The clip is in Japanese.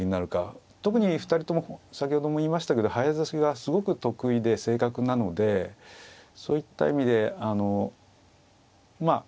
特に２人とも先ほども言いましたけど早指しがすごく得意で正確なのでそういった意味であのまあ